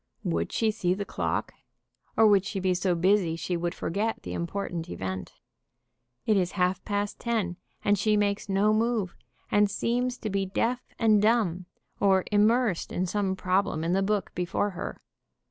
Would she see the clock, or would she be so busy she would forget the important event ? It is half past ten, and she makes no move, and seems to be deaf and dumb, or immersed in some problem in the book before her.